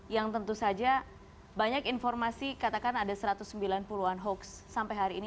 yang tentu saja banyak informasi katakan ada satu ratus sembilan puluh an hoax sampai hari ini